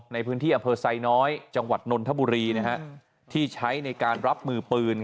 ในพื้นที่อำเภอไซน้อยจังหวัดนนทบุรีนะฮะที่ใช้ในการรับมือปืน